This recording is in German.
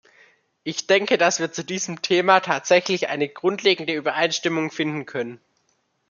Ich denke, dass wir zu diesem Thema tatsächlich eine grundlegende Übereinstimmung finden können.